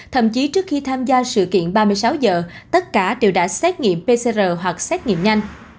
thậm chí trước khi tham gia sự kiện ba mươi sáu giờ tất cả đều đã xét nghiệm pcr hoặc xét nghiệm nhanh